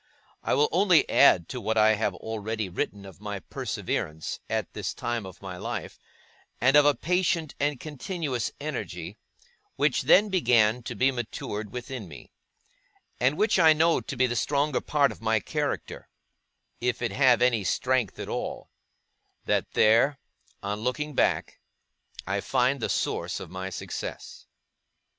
I will only add, to what I have already written of my perseverance at this time of my life, and of a patient and continuous energy which then began to be matured within me, and which I know to be the strong part of my character, if it have any strength at all, that there, on looking back, I find the source of my success.